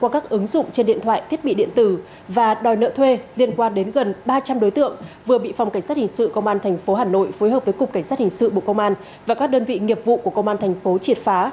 các ứng dụng trên điện thoại thiết bị điện tử và đòi nợ thuê liên quan đến gần ba trăm linh đối tượng vừa bị phòng cảnh sát hình sự công an tp hà nội phối hợp với cục cảnh sát hình sự bộ công an và các đơn vị nghiệp vụ của công an thành phố triệt phá